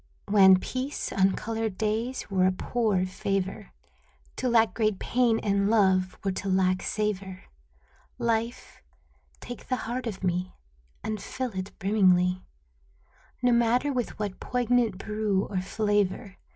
Wan peace, uncolored days, were a poor favor ; To lack great pain and love were to lack savor. Life, take the heart of me And fill it brimmingly, No matter with what poignant brew or flavor.